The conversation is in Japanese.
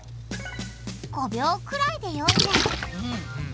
５秒くらいで読んじゃう。